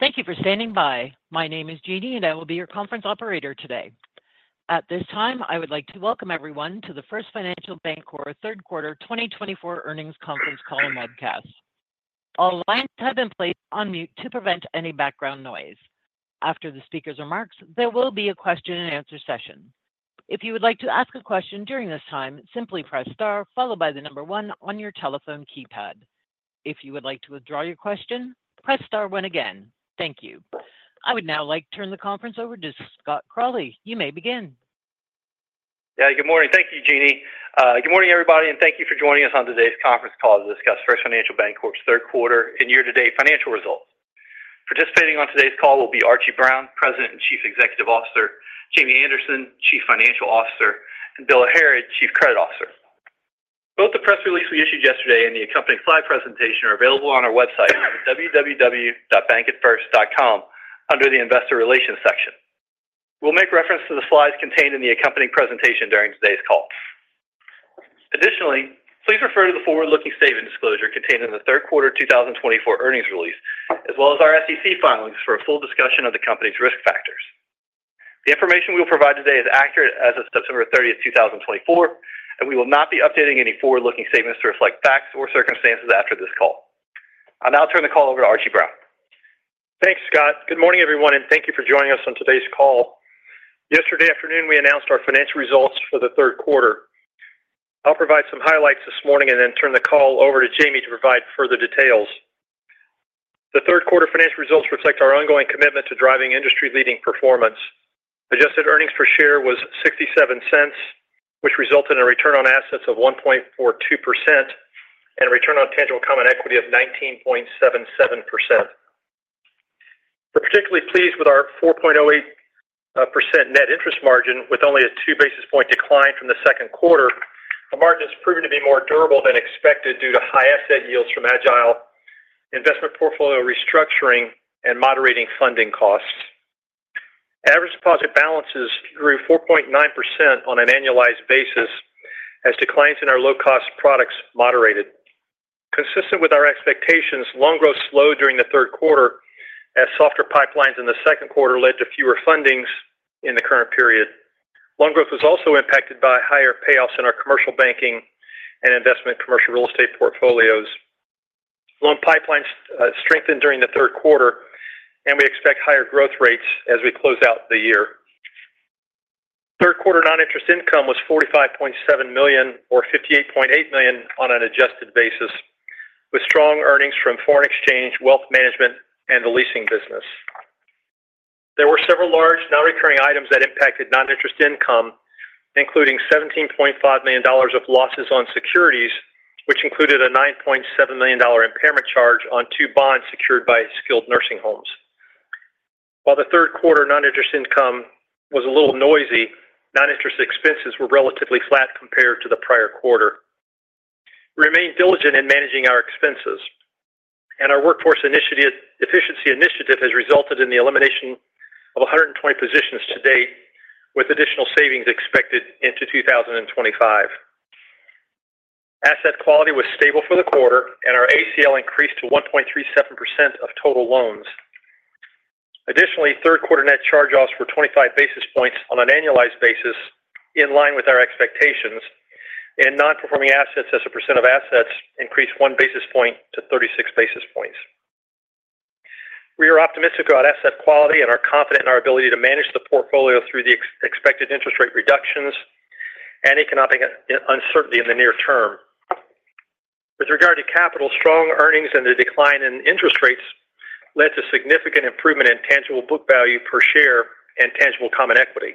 Thank you for standing by. My name is Jeannie, and I will be your conference operator today. At this time, I would like to welcome everyone to the First Financial Bancorp Third Quarter twenty twenty-four earnings conference call and webcast. All lines have been placed on mute to prevent any background noise. After the speaker's remarks, there will be a question and answer session. If you would like to ask a question during this time, simply press star followed by the number one on your telephone keypad. If you would like to withdraw your question, press star one again. Thank you. I would now like to turn the conference over to Scott Crawley. You may begin. Yeah, good morning. Thank you, Jeannie. Good morning, everybody, and thank you for joining us on today's conference call to discuss First Financial Bancorp's third quarter and year-to-date financial results. Participating on today's call will be Archie Brown, President and Chief Executive Officer, Jamie Anderson, Chief Financial Officer, and Bill Harrod, Chief Credit Officer. Both the press release we issued yesterday and the accompanying slide presentation are available on our website, www.bankatfirst.com, under the Investor Relations section. We'll make reference to the slides contained in the accompanying presentation during today's call. Additionally, please refer to the forward-looking statement disclosure contained in the third quarter two thousand and twenty-four earnings release, as well as our SEC filings for a full discussion of the company's risk factors. The information we will provide today is accurate as of September thirtieth, two thousand and twenty-four, and we will not be updating any forward-looking statements to reflect facts or circumstances after this call. I'll now turn the call over to Archie Brown. Thanks, Scott. Good morning, everyone, and thank you for joining us on today's call. Yesterday afternoon, we announced our financial results for the third quarter. I'll provide some highlights this morning and then turn the call over to Jamie to provide further details. The third quarter financial results reflect our ongoing commitment to driving industry-leading performance. Adjusted earnings per share was $0.67, which resulted in a return on assets of 1.42% and a return on tangible common equity of 19.77%. We're particularly pleased with our 4.08% net interest margin, with only a two basis points decline from the second quarter. The margin has proven to be more durable than expected due to high asset yields from Agile, investment portfolio restructuring, and moderating funding costs. Average deposit balances grew 4.9% on an annualized basis as declines in our low-cost products moderated. Consistent with our expectations, loan growth slowed during the third quarter as softer pipelines in the second quarter led to fewer fundings in the current period. Loan growth was also impacted by higher payoffs in our commercial banking and investment commercial real estate portfolios. Loan pipelines strengthened during the third quarter, and we expect higher growth rates as we close out the year. Third quarter non-interest income was $45.7 million or $58.8 million on an adjusted basis, with strong earnings from foreign exchange, wealth management, and the leasing business. There were several large, non-recurring items that impacted non-interest income, including $17.5 million of losses on securities, which included a $9.7 million impairment charge on two bonds secured by skilled nursing homes. While the third quarter non-interest income was a little noisy, non-interest expenses were relatively flat compared to the prior quarter. We remain diligent in managing our expenses, and our workforce initiative, efficiency initiative has resulted in the elimination of 120 positions to date, with additional savings expected into 2025. Asset quality was stable for the quarter, and our ACL increased to 1.37% of total loans. Additionally, third quarter net charge-offs were 25 basis points on an annualized basis, in line with our expectations, and non-performing assets as a % of assets increased 1 basis point to 36 basis points. We are optimistic about asset quality and are confident in our ability to manage the portfolio through the expected interest rate reductions and economic uncertainty in the near term. With regard to capital, strong earnings and the decline in interest rates led to significant improvement in tangible book value per share and tangible common equity.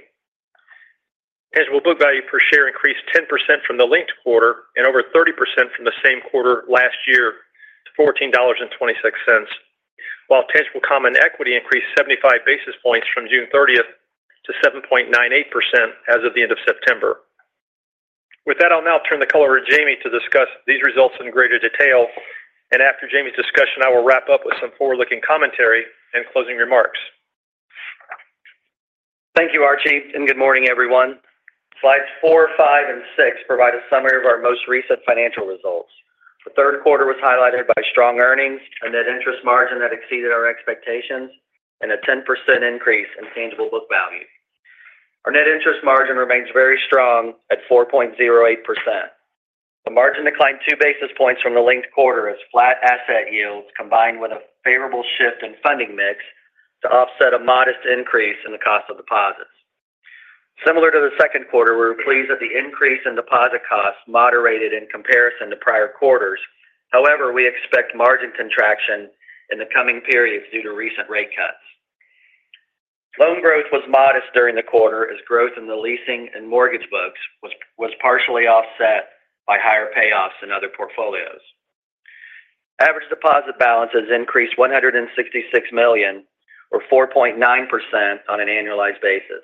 Tangible book value per share increased 10% from the linked quarter and over 30% from the same quarter last year to $14.26, while tangible common equity increased 75 basis points from June thirtieth to 7.98% as of the end of September. With that, I'll now turn the call over to Jamie to discuss these results in greater detail, and after Jamie's discussion, I will wrap up with some forward-looking commentary and closing remarks. Thank you, Archie, and good morning, everyone. Slides four, five, and six provide a summary of our most recent financial results. The third quarter was highlighted by strong earnings, a net interest margin that exceeded our expectations, and a 10% increase in tangible book value. Our net interest margin remains very strong at 4.08%. The margin declined two basis points from the linked quarter as flat asset yields, combined with a favorable shift in funding mix to offset a modest increase in the cost of deposits. Similar to the second quarter, we're pleased that the increase in deposit costs moderated in comparison to prior quarters. However, we expect margin contraction in the coming periods due to recent rate cuts. Loan growth was modest during the quarter, as growth in the leasing and mortgage books was partially offset by higher payoffs in other portfolios. Average deposit balances increased one hundred and sixty-six million, or 4.9% on an annualized basis.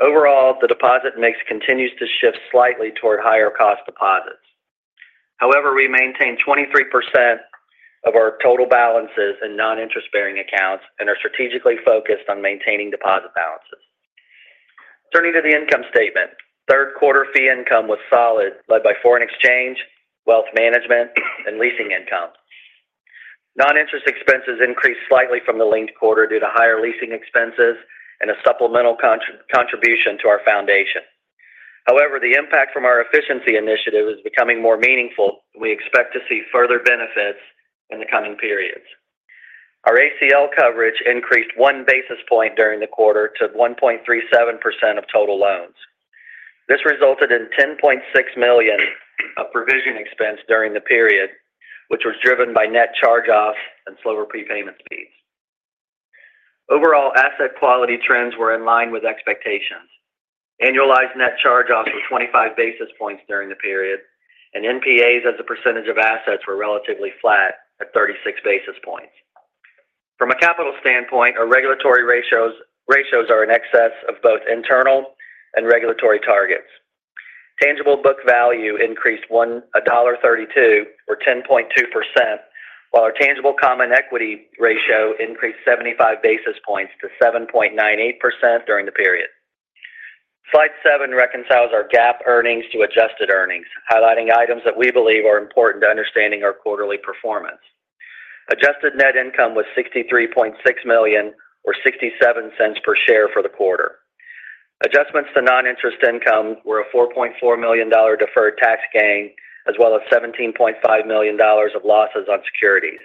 Overall, the deposit mix continues to shift slightly toward higher cost deposits. However, we maintain 23% of our total balances in non-interest-bearing accounts and are strategically focused on maintaining deposit balances. Turning to the income statement. Third quarter fee income was solid, led by foreign exchange, wealth management, and leasing income. Non-interest expenses increased slightly from the linked quarter due to higher leasing expenses and a supplemental contribution to our foundation. However, the impact from our efficiency initiative is becoming more meaningful. We expect to see further benefits in the coming periods. Our ACL coverage increased one basis point during the quarter to 1.37% of total loans. This resulted in $10.6 million of provision expense during the period, which was driven by net charge-offs and slower prepayment speeds. Overall, asset quality trends were in line with expectations. Annualized net charge-offs were 25 basis points during the period, and NPAs as a percentage of assets were relatively flat at 36 basis points. From a capital standpoint, our regulatory ratios are in excess of both internal and regulatory targets. Tangible book value increased $1.32 or 10.2%, while our tangible common equity ratio increased 75 basis points to 7.98% during the period. Slide seven reconciles our GAAP earnings to adjusted earnings, highlighting items that we believe are important to understanding our quarterly performance. Adjusted net income was $63.6 million or $0.67 per share for the quarter. Adjustments to non-interest income were a $4.4 million deferred tax gain, as well as $17.5 million of losses on securities.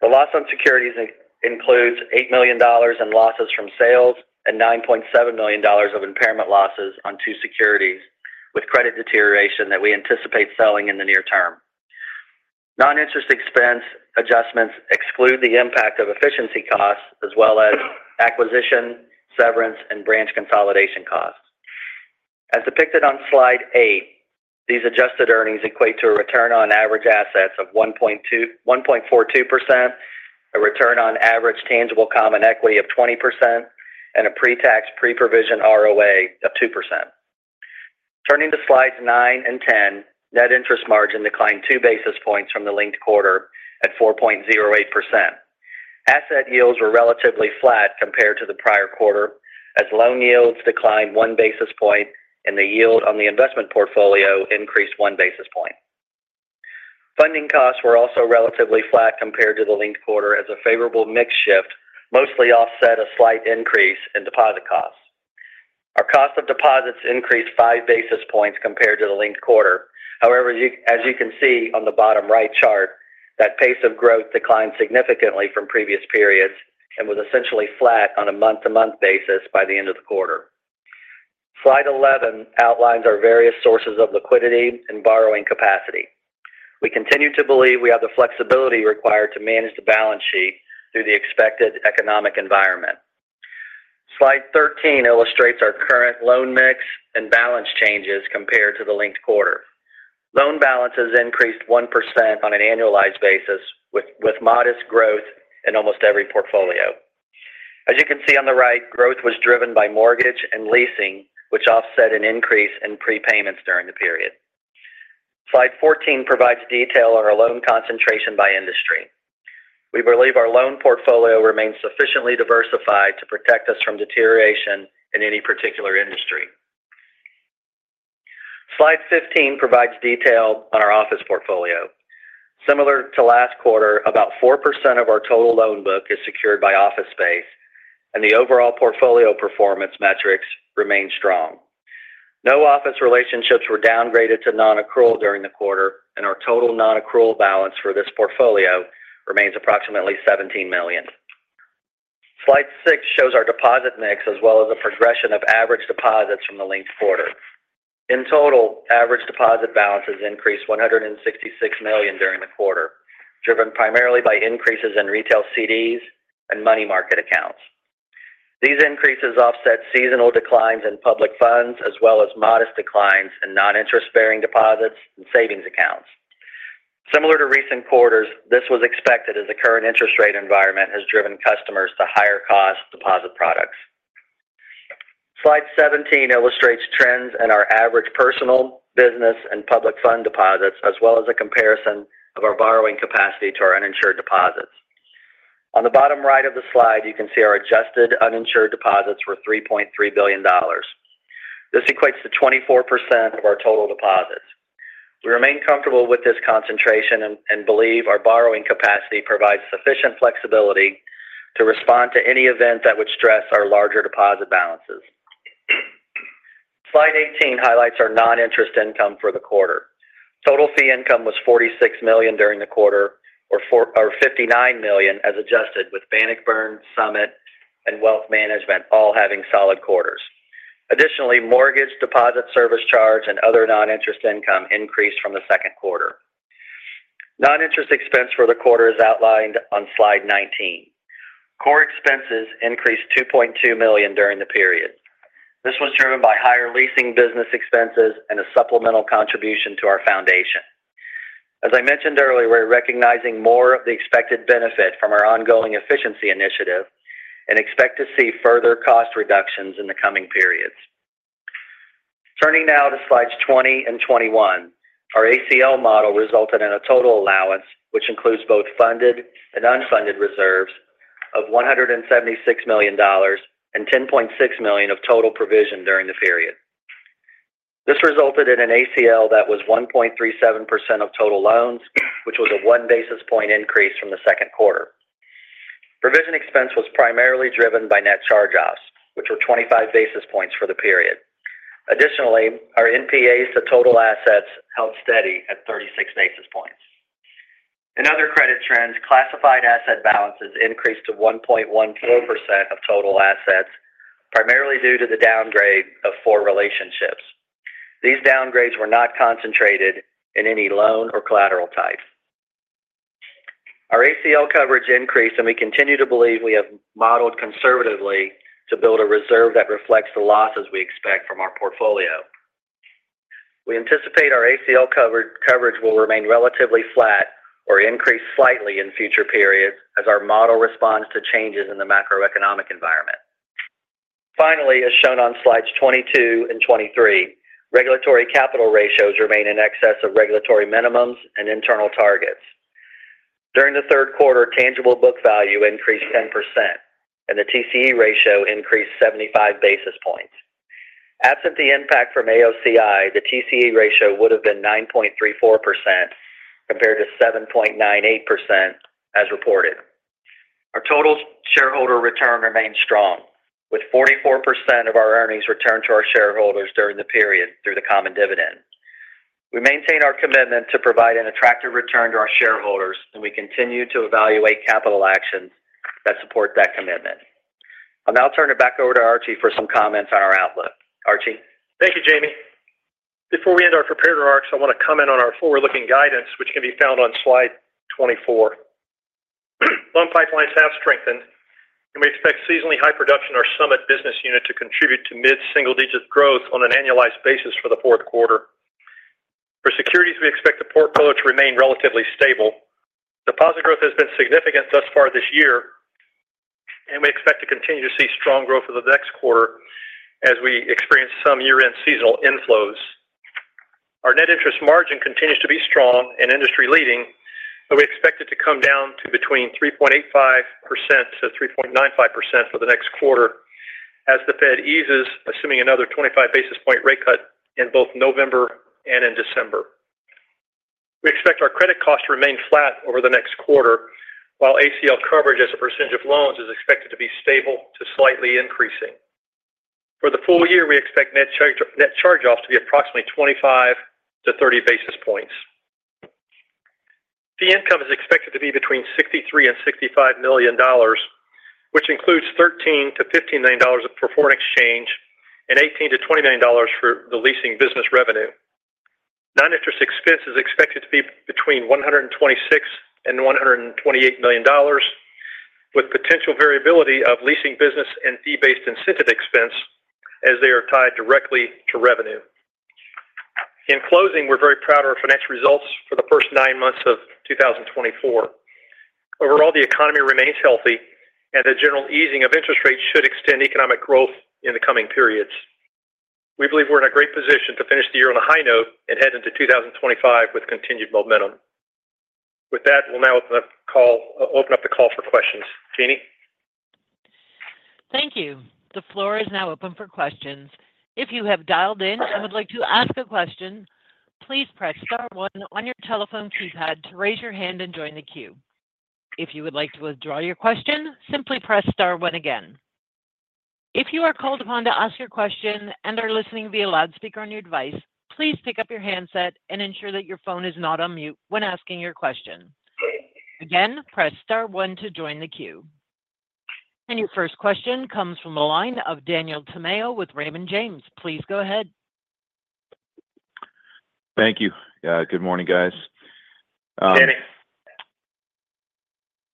The loss on securities includes $8 million in losses from sales and $9.7 million of impairment losses on two securities, with credit deterioration that we anticipate selling in the near term. Non-interest expense adjustments exclude the impact of efficiency costs as well as acquisition, severance, and branch consolidation costs. As depicted on slide 8, these adjusted earnings equate to a return on average assets of 1.42%, a return on average tangible common equity of 20%, and a pre-tax, pre-provision ROA of 2%. Turning to slides 9 and 10, net interest margin declined two basis points from the linked quarter at 4.08%. Asset yields were relatively flat compared to the prior quarter, as loan yields declined one basis point and the yield on the investment portfolio increased one basis point. Funding costs were also relatively flat compared to the linked quarter, as a favorable mix shift mostly offset a slight increase in deposit costs. Our cost of deposits increased five basis points compared to the linked quarter. However, as you can see on the bottom right chart, that pace of growth declined significantly from previous periods and was essentially flat on a month-to-month basis by the end of the quarter. Slide 11 outlines our various sources of liquidity and borrowing capacity. We continue to believe we have the flexibility required to manage the balance sheet through the expected economic environment. Slide 13 illustrates our current loan mix and balance changes compared to the linked quarter. Loan balances increased 1% on an annualized basis, with modest growth in almost every portfolio. As you can see on the right, growth was driven by mortgage and leasing, which offset an increase in prepayments during the period. Slide 14 provides detail on our loan concentration by industry. We believe our loan portfolio remains sufficiently diversified to protect us from deterioration in any particular industry. Slide 15 provides detail on our office portfolio. Similar to last quarter, about 4% of our total loan book is secured by office space, and the overall portfolio performance metrics remain strong. No office relationships were downgraded to non-accrual during the quarter, and our total non-accrual balance for this portfolio remains approximately $17 million. Slide 6 shows our deposit mix, as well as the progression of average deposits from the linked quarter. In total, average deposit balances increased $166 million during the quarter, driven primarily by increases in retail CDs and money market accounts. These increases offset seasonal declines in public funds, as well as modest declines in non-interest-bearing deposits and savings accounts. Similar to recent quarters, this was expected as the current interest rate environment has driven customers to higher cost deposit products. Slide 17 illustrates trends in our average personal, business, and public fund deposits, as well as a comparison of our borrowing capacity to our uninsured deposits. On the bottom right of the slide, you can see our adjusted uninsured deposits were $3.3 billion. This equates to 24% of our total deposits. We remain comfortable with this concentration and believe our borrowing capacity provides sufficient flexibility to respond to any event that would stress our larger deposit balances. Slide 18 highlights our non-interest income for the quarter. Total fee income was $46 million during the quarter, or $59 million, as adjusted, with Bannockburn, Summit, and Wealth Management all having solid quarters. Additionally, mortgage, deposit, service charge, and other non-interest income increased from the second quarter. Non-interest expense for the quarter is outlined on Slide 19. Core expenses increased $2.2 million during the period. This was driven by higher leasing business expenses and a supplemental contribution to our foundation. As I mentioned earlier, we're recognizing more of the expected benefit from our ongoing efficiency initiative and expect to see further cost reductions in the coming periods. Turning now to Slides 20 and 21. Our ACL model resulted in a total allowance, which includes both funded and unfunded reserves of $176 million, and $10.6 million of total provision during the period. This resulted in an ACL that was 1.37% of total loans, which was a one basis point increase from the second quarter. Provision expense was primarily driven by net charge-offs, which were 25 basis points for the period. Additionally, our NPAs to total assets held steady at 36 basis points. In other credit trends, classified asset balances increased to 1.14% of total assets, primarily due to the downgrade of four relationships. These downgrades were not concentrated in any loan or collateral type. Our ACL coverage increased, and we continue to believe we have modeled conservatively to build a reserve that reflects the losses we expect from our portfolio. We anticipate our ACL coverage will remain relatively flat or increase slightly in future periods as our model responds to changes in the macroeconomic environment. Finally, as shown on Slides 22 and 23, regulatory capital ratios remain in excess of regulatory minimums and internal targets. During the third quarter, tangible book value increased 10%, and the TCE ratio increased seventy-five basis points. Absent the impact from AOCI, the TCE ratio would have been 9.34% compared to 7.98% as reported. Our total shareholder return remains strong, with 44% of our earnings returned to our shareholders during the period through the common dividend. We maintain our commitment to provide an attractive return to our shareholders, and we continue to evaluate capital actions that support that commitment. I'll now turn it back over to Archie for some comments on our outlook. Archie? Thank you, Jamie. Before we end our prepared remarks, I want to comment on our forward-looking guidance, which can be found on slide 24. Loan pipelines have strengthened, and we expect seasonally high production in our Summit business unit to contribute to mid-single-digit growth on an annualized basis for the fourth quarter. For securities, we expect the portfolio to remain relatively stable. Deposit growth has been significant thus far this year, and we expect to continue to see strong growth for the next quarter as we experience some year-end seasonal inflows. Our net interest margin continues to be strong and industry-leading, but we expect it to come down to between 3.85% to 3.95% for the next quarter as the Fed eases, assuming another 25 basis point rate cut in both November and in December. We expect our credit costs to remain flat over the next quarter, while ACL coverage as a percentage of loans is expected to be stable to slightly increasing. For the full year, we expect net charge-offs to be approximately 25-30 basis points. Fee income is expected to be between $63 and $65 million, which includes $13-$15 million of foreign exchange and $18-$20 million for the leasing business revenue. Non-interest expense is expected to be between $126 and $128 million, with potential variability of leasing business and fee-based incentive expense as they are tied directly to revenue. In closing, we're very proud of our financial results for the first nine months of two thousand and twenty-four. Overall, the economy remains healthy, and the general easing of interest rates should extend economic growth in the coming periods. We believe we're in a great position to finish the year on a high note and head into two thousand and twenty-five with continued momentum. With that, we'll now open up the call for questions. Jeannie? Thank you. The floor is now open for questions. If you have dialed in and would like to ask a question, please press star one on your telephone keypad to raise your hand and join the queue. If you would like to withdraw your question, simply press star one again. If you are called upon to ask your question and are listening via loudspeaker on your device, please pick up your handset and ensure that your phone is not on mute when asking your question. Again, press star one to join the queue. And your first question comes from the line of Daniel Tamayo with Raymond James. Please go ahead. Thank you. Good morning, guys. Danny.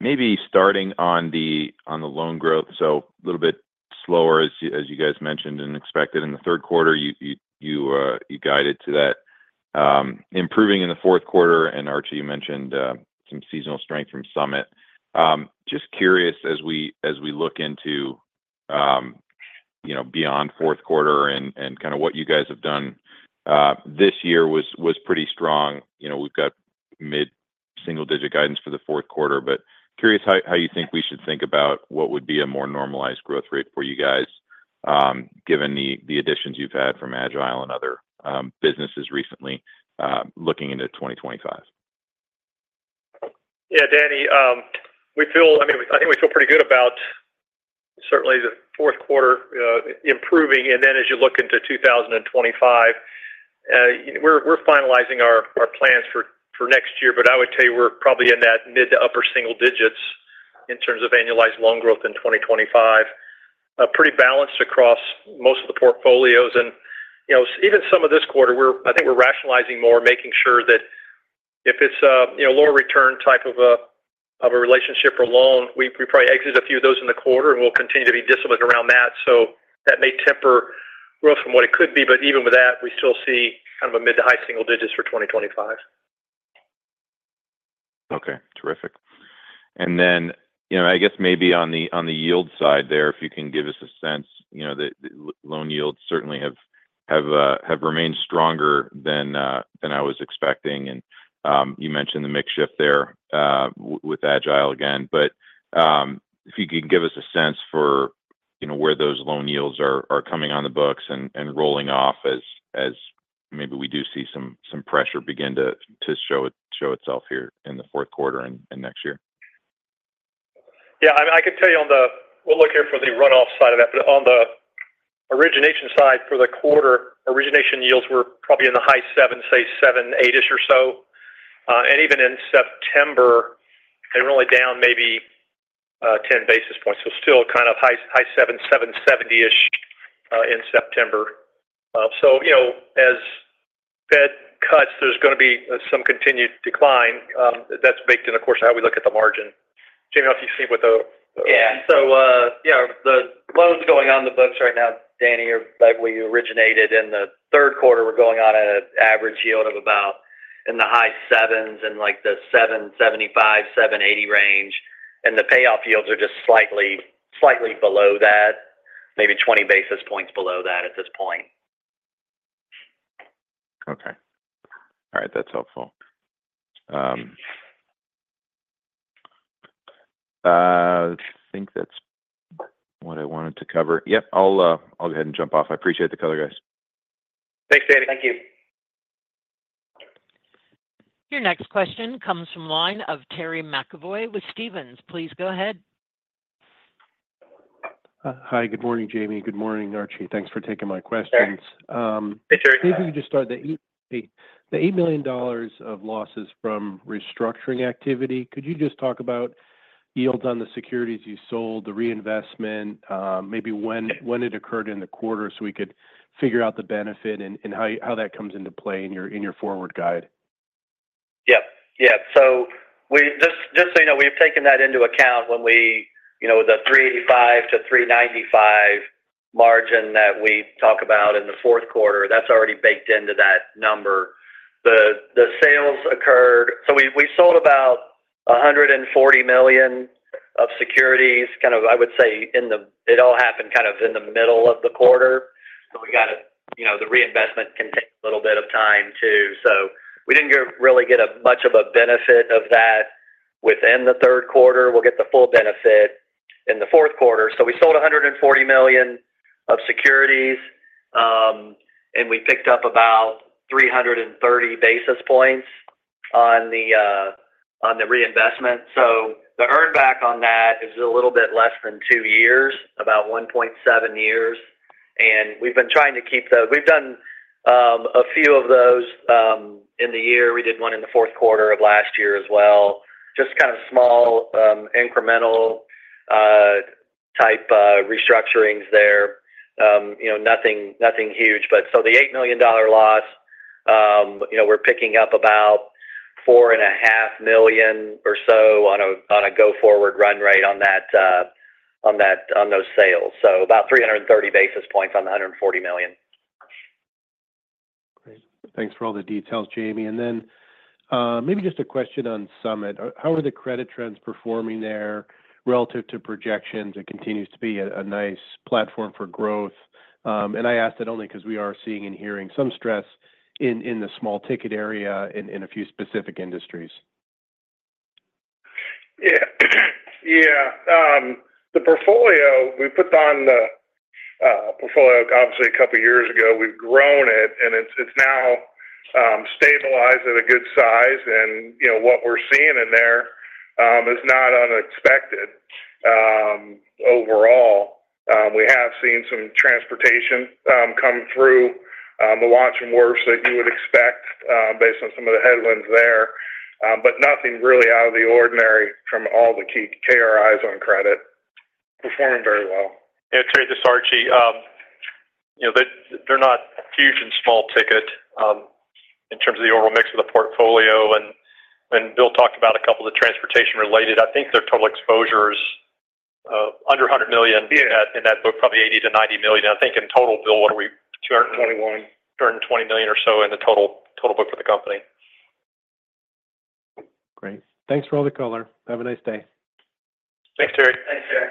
Maybe starting on the loan growth, so a little bit slower, as you guys mentioned and expected in the third quarter, you guided to that. Improving in the fourth quarter, and Archie, you mentioned some seasonal strength from Summit. Just curious, as we look into you know, beyond fourth quarter and kind of what you guys have done this year was pretty strong. You know, we've got mid-single-digit guidance for the fourth quarter, but curious how you think we should think about what would be a more normalized growth rate for you guys, given the additions you've had from Agile and other businesses recently, looking into twenty twenty-five. Yeah, Danny, we feel. I mean, I think we feel pretty good about certainly the fourth quarter improving, and then as you look into two thousand and twenty-five, we're finalizing our plans for next year, but I would tell you we're probably in that mid to upper single digits in terms of annualized loan growth in twenty twenty-five. A pretty balanced across most of the portfolios and, you know, even some of this quarter, we're. I think we're rationalizing more, making sure that if it's a, you know, lower return type of a relationship or loan, we probably exit a few of those in the quarter, and we'll continue to be disciplined around that. So that may temper growth from what it could be, but even with that, we still see kind of a mid to high single digits for twenty twenty-five.... Okay, terrific. And then, you know, I guess maybe on the, on the yield side there, if you can give us a sense, you know, the loan yields certainly have remained stronger than I was expecting. And you mentioned the mix shift there with Agile again. But if you could give us a sense for, you know, where those loan yields are coming on the books and rolling off as maybe we do see some pressure begin to show itself here in the fourth quarter and next year. Yeah, I mean, I can tell you on the runoff side of that. But on the origination side for the quarter, origination yields were probably in the high sevens, say seven, eight-ish or so. And even in September, they were only down maybe ten basis points. So still kind of high, high seven, seven seventy-ish in September. So, you know, as Fed cuts, there's gonna be some continued decline. That's baked in, of course, how we look at the margin. Jamie, I don't know if you've seen what the- Yeah. So, yeah, the loans going on the books right now, Danny or Doug, we originated in the third quarter, we're going on an average yield of about in the high sevens and like the seven seventy-five, seven eighty range, and the payoff yields are just slightly below that. Maybe twenty basis points below that at this point. Okay. All right, that's helpful. I think that's what I wanted to cover. Yep, I'll go ahead and jump off. I appreciate the color, guys. Thanks, Danny. Thank you. Your next question comes from line of Terry McEvoy with Stephens. Please go ahead. Hi, good morning, Jamie. Good morning, Archie. Thanks for taking my questions. Hey. Hey, Terry. Maybe we can just start, the $8 million of losses from restructuring activity. Could you just talk about yields on the securities you sold, the reinvestment, maybe when it occurred in the quarter so we could figure out the benefit and how that comes into play in your forward guidance? Yep. So we just so you know, we've taken that into account when we. You know, the 3.85%-3.95% margin that we talk about in the fourth quarter, that's already baked into that number. The sales occurred. So we sold about $140 million of securities, kind of, I would say. It all happened kind of in the middle of the quarter. So we got to, you know, the reinvestment can take a little bit of time, too. So we didn't really get much of a benefit of that within the third quarter. We'll get the full benefit in the fourth quarter. So we sold $140 million of securities, and we picked up about 330 basis points on the reinvestment. So the earn back on that is a little bit less than two years, about one point seven years, and we've been trying to keep those. We've done a few of those in the year. We did one in the fourth quarter of last year as well. Just kind of small incremental type restructurings there. You know, nothing, nothing huge. But so the $8 million loss, you know, we're picking up about $4.5 million or so on a go-forward run rate on that, on that- on those sales. So about 330 basis points on the $140 million. Great. Thanks for all the details, Jamie. And then, maybe just a question on Summit. How are the credit trends performing there relative to projections? It continues to be a nice platform for growth. And I ask that only 'cause we are seeing and hearing some stress in the small ticket area in a few specific industries. Yeah. Yeah, the portfolio, we put on the portfolio, obviously, a couple of years ago. We've grown it, and it's now stabilized at a good size. And, you know, what we're seeing in there is not unexpected. Overall, we have seen some transportation come through the watch list worse than you would expect, based on some of the headwinds there. But nothing really out of the ordinary from all the key KRIs on credit. Performing very well. Yeah, Terry, this is Archie. You know, they're not huge in small ticket in terms of the overall mix of the portfolio. And Bill talked about a couple of the transportation-related. I think their total exposure is under a hundred million- Yeah in that, in that book, probably 80-90 million. I think in total, Bill, what are we? Two hundred and twenty-one. $220 million or so in the total book for the company. Great. Thanks for all the color. Have a nice day. Thanks, Terry. Thanks, Terry.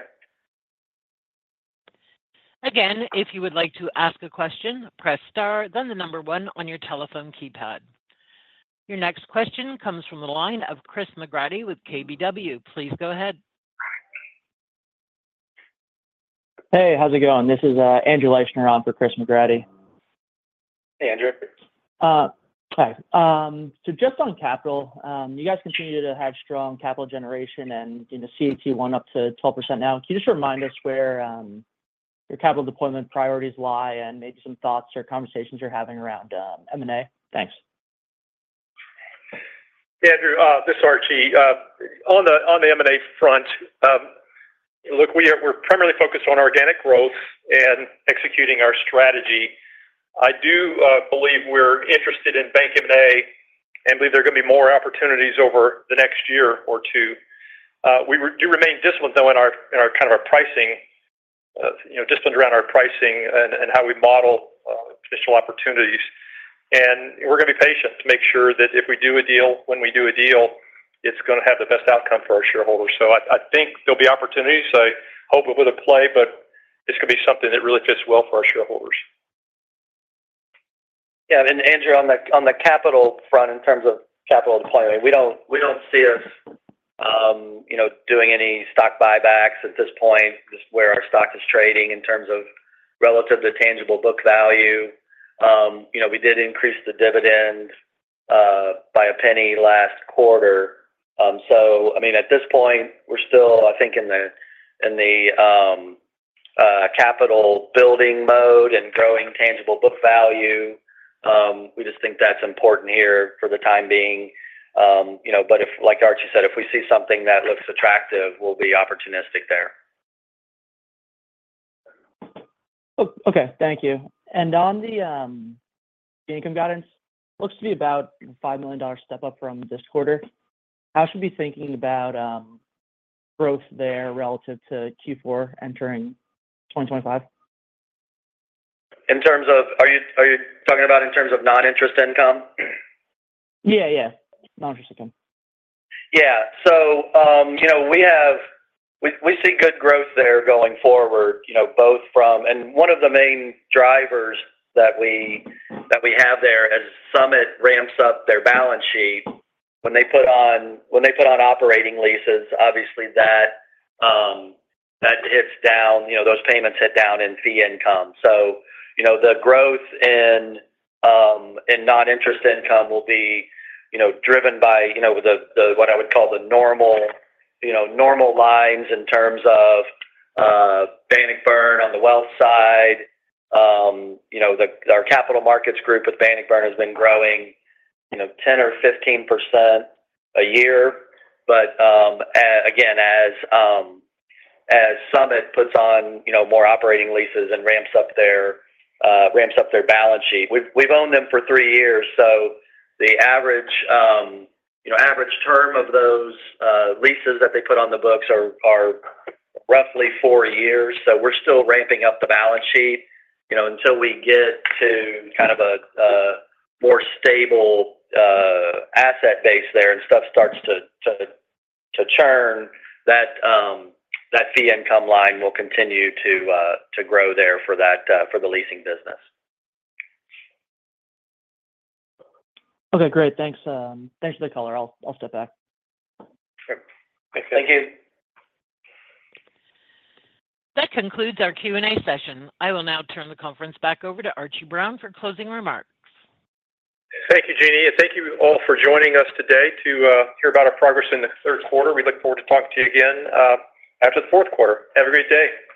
Again, if you would like to ask a question, press star, then the number one on your telephone keypad. Your next question comes from the line of Chris McGratty with KBW. Please go ahead. Hey, how's it going? This is, Andrew Leischner on for Chris McGratty. Hey, Andrew. Hi. So just on capital, you guys continue to have strong capital generation and, you know, CET1 up to 12% now. Can you just remind us where your capital deployment priorities lie and maybe some thoughts or conversations you're having around M&A? Thanks. Andrew, this is Archie. On the M&A front, look, we're primarily focused on organic growth and executing our strategy. I do believe we're interested in bank M&A, and believe there are gonna be more opportunities over the next year or two. We do remain disciplined, though, in our kind of pricing, you know, just around our pricing and how we model additional opportunities. And we're gonna be patient to make sure that if we do a deal, when we do a deal, it's gonna have the best outcome for our shareholders. So I think there'll be opportunities. I hope we make a play, but it's gonna be something that really fits well for our shareholders. Yeah, and Andrew, on the capital front, in terms of capital deployment, we don't see us doing any stock buybacks at this point, just where our stock is trading in terms of relative to tangible book value. You know, we did increase the dividend by a penny last quarter. So I mean, at this point, we're still, I think, in the capital building mode and growing tangible book value. We just think that's important here for the time being. You know, but if, like Archie said, if we see something that looks attractive, we'll be opportunistic there. Oh, okay. Thank you. And on the income guidance, looks to be about $5 million step up from this quarter. How should we be thinking about growth there relative to Q4 entering 2025? Are you talking about in terms of non-interest income? Yeah, yeah. Non-interest income. Yeah. So, you know, we have we see good growth there going forward, you know, both from. And one of the main drivers that we have there, as Summit ramps up their balance sheet, when they put on operating leases, obviously, that hits down, you know, those payments hit down in fee income. So, you know, the growth in non-interest income will be, you know, driven by, you know, the what I would call the normal normal lines in terms of Bannockburn on the wealth side. You know, our capital markets group with Bannockburn has been growing, you know, 10 or 15% a year. But again, as Summit puts on, you know, more operating leases and ramps up their balance sheet. We've owned them for three years, so the average, you know, average term of those leases that they put on the books are roughly four years, so we're still ramping up the balance sheet, you know, until we get to kind of a more stable asset base there and stuff starts to churn. That fee income line will continue to grow there for the leasing business. Okay, great. Thanks, thanks for the call. I'll step back. Sure. Thank you. That concludes our Q&A session. I will now turn the conference back over to Archie Brown for closing remarks. Thank you, Jeannie, and thank you all for joining us today to hear about our progress in the third quarter. We look forward to talking to you again after the fourth quarter. Have a great day.